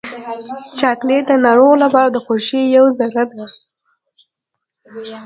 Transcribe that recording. چاکلېټ د ناروغ لپاره د خوښۍ یوه ذره ده.